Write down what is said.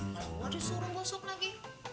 malah gua disuruh gosok lagi